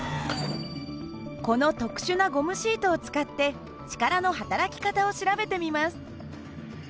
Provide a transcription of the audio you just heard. この特殊なゴムシートを使って力のはたらき方を調べてみます。